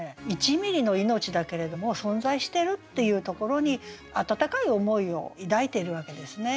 １ｍｍの命だけれども存在してるっていうところに温かい思いを抱いてるわけですね。